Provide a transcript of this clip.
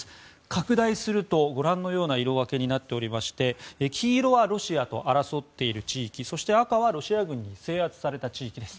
拡大すると、ご覧のような色分けになっておりまして黄色はロシアと争っている地域そして赤はロシア軍に制圧された地域です。